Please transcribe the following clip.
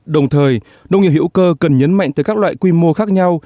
đồng thời nông nghiệp hữu cơ cần nhấn mạnh tới các loại quy mô khác nhau